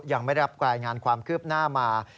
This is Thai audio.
ยังไม่ได้รับรายงานความคืบหน้ามา